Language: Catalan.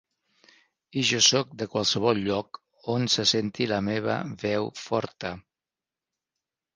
I jo sóc de qualsevol lloc on se senti la meva veu forta.